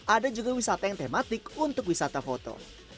ada juga wisata yang tematik untuk wisata foto